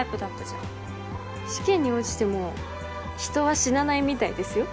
試験に落ちても人は死なないみたいですよ。